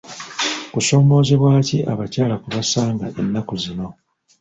Kusoomozebwa ki abakyala kwe basanga ennaku zino?